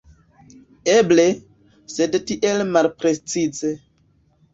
Eble, sed tiel malprecize.